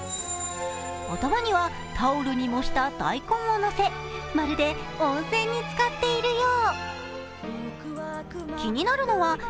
頭にはタオルに模した大根をのせまるで温泉につかっているよう。